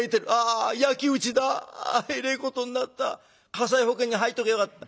火災保険に入っときゃよかった」。